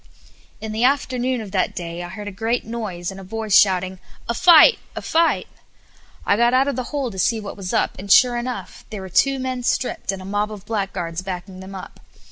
In the afternoon of that day I heard a great noise, and a voice shouting, "A fight! a fight!" I got out of the hole to see what was up, and sure enough there were two men stripped, and a mob of blackguards backing them up.